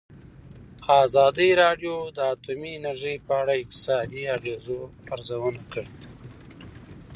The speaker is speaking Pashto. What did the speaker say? ازادي راډیو د اټومي انرژي په اړه د اقتصادي اغېزو ارزونه کړې.